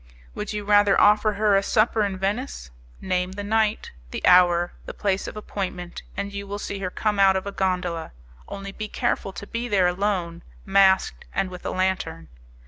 "Would you rather offer her a supper in Venice? Name the night, the hour, the place of appointment, and you will see her come out of a gondola. Only be careful to be there alone, masked and with a lantern.